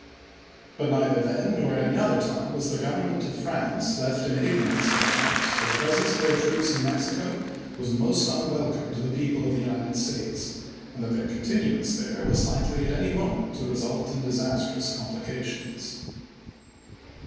But neither then nor at i86*?eMs. any other time was the Government of France left in ignorance of the fact that the presence of their troops in Mexico was most unwelcome to the people of the United States, and that their continuance there was likely at any moment to result in disastrous complications.